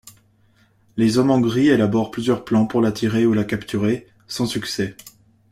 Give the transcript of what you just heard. Les Hommes en gris élaborent plusieurs plans pour l'attirer ou la capturer, sans succès.